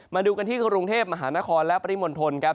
มาดูกันที่กรุงเทพมหานครและปริมณฑลครับ